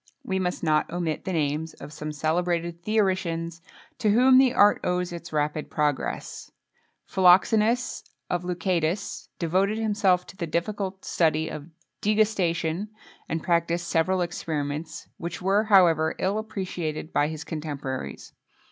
We must not omit the names of some celebrated theoricians, to whom the art owes its rapid progress: Philoxenus of Leucadus, devoted himself to the difficult study of degustation, and practised several experiments, which were, however, ill appreciated by his contemporaries.